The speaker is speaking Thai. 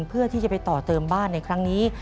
เพื่อที่จะไปต่อเติมบ้านในครั้งนี้